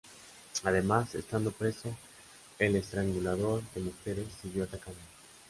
Además, estando preso, el "Estrangulador de mujeres" siguió atacando.